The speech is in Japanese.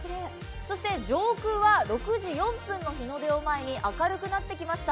そして上空は６時４分の日の出を前に、明るくなってきました。